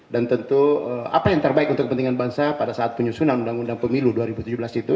dan tentu apa yang terbaik untuk kepentingan bangsa pada saat penyusunan undang undang pemilu dua ribu tujuh belas itu